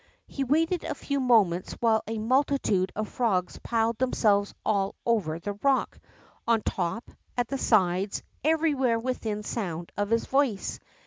'^ He waited a few moments while a multitude of frogs piled themselves all over the rock, on top, at the sides, everywhere within sound of his voice.